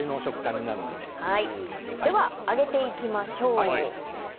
では揚げていきましょう。